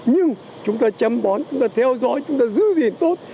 nhưng chúng ta chăm bón chúng ta theo dõi chúng ta giữ gìn tốt